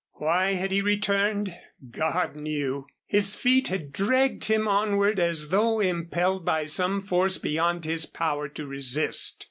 Why had he returned? God knew. His feet had dragged him onward as though impelled by some force beyond his power to resist.